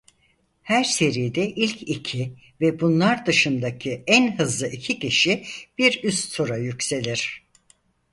Her seride ilk iki ve bunlar dışındaki en hızlı iki kişi bir üst tura yükselir.